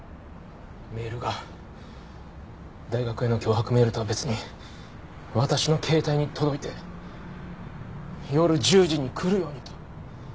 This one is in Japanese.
メールが大学への脅迫メールとは別に私の携帯に届いて夜１０時に来るようにと。